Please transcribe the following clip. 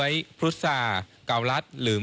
มันก็จะมีข้าวโหม๒ถูกนะคะ